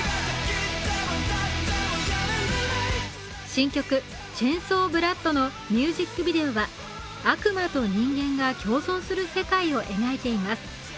新曲「ＣＨＡＩＮＳＡＷＢＬＯＯＤ」のミュージックビデオは悪魔と人間が共存する世界を描いています。